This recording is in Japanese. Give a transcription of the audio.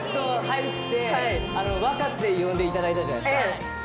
すっと入って若と呼んでいただいたじゃないですか。